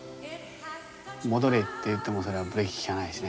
「戻れ」って言ってもそれはブレーキきかないですね。